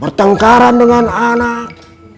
bertengkaran dengan anak